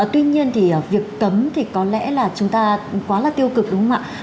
tuy nhiên thì việc cấm thì có lẽ là chúng ta quá là tiêu cực đúng không ạ